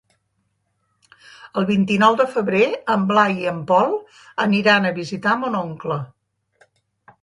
El vint-i-nou de febrer en Blai i en Pol aniran a visitar mon oncle.